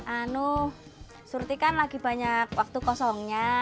anu surti kan lagi banyak waktu kosongnya